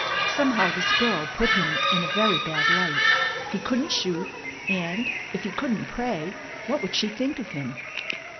Somehow this girl put him in a very bad light. He couldn't shoot; and, if he couldn't pray, what would she think of him?